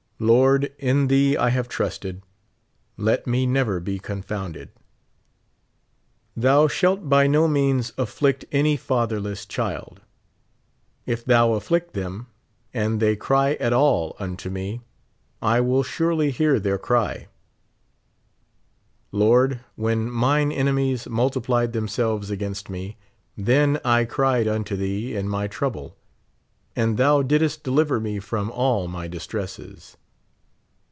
Lord, in thee I have trusted, let me never be confounded. "Thou shalt b}^ no means afflict any fatherless child: if thou afflict them, and they cry at all unto me, I will surely hear their cr3\" Lord, when mine enemies multi plied themselves against me, then I cried unto thee in m}^ trouble, and thou didst deliver me from all my distresses.